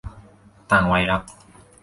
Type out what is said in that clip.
ต่างวัยรัก